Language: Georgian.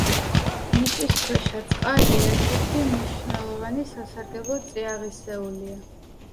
მიწისქვეშა წყალი ერთ-ერთი მნიშვნელოვანი სასარგებლო წიაღისეულია.